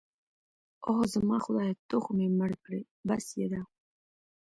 اوه، زما خدایه ته خو مې مړ کړې. بس يې ده.